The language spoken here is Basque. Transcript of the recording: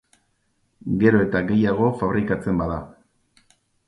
Gero eta gehiago fabrikatzen bada